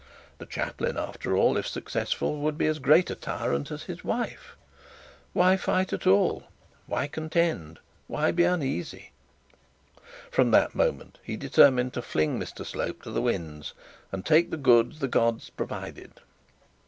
The chaplain after all, if successful, would be as great a tyrant as his wife. Why fight at all? Why contend? Why be uneasy? From that moment he determined to fling Mr Slope to the winds, and take the goods the gods provided.